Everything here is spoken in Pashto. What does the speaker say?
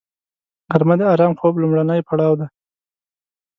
غرمه د آرام خوب لومړنی پړاو دی